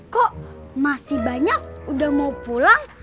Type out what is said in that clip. kok masih banyak udah mau pulang